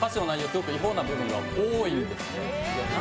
すごく違法な部分が多いんです。